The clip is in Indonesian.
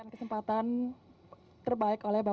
kesempatan terbaik oleh bapak